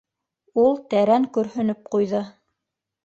— Ул тәрән көрһөнөп ҡуйҙы.